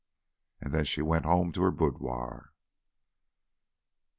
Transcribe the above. And then she went home to her boudoir.